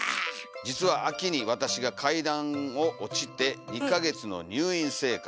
「実は秋に私が階段を落ちて二ヶ月の入院生活」。